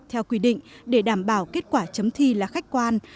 theo quy định để đảm bảo kết quả chấm thi là khách quan